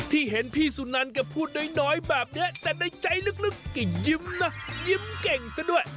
เห็นพี่สุนันแกพูดน้อยแบบนี้แต่ในใจลึกก็ยิ้มนะยิ้มเก่งซะด้วย